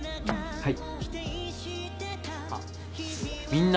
はい。